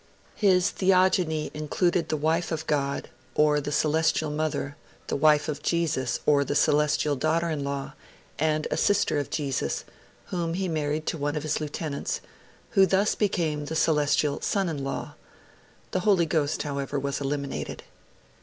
His theogony included the wife of God, or the celestial Mother, the wife of Jesus, or the celestial daughter in law, and a sister of Jesus, whom he married to one of his lieutenants, who thus became the celestial son in law; the Holy Ghost, however, was eliminated.